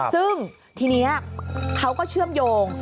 ซึ่งทีนี้เขาก็เชื่อมโยง